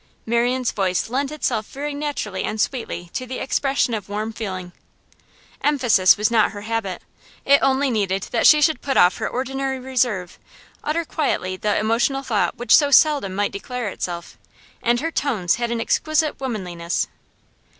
Marian's voice lent itself very naturally and sweetly to the expression of warm feeling. Emphasis was not her habit; it only needed that she should put off her ordinary reserve, utter quietly the emotional thought which so seldom might declare itself, and her tones had an exquisite womanliness.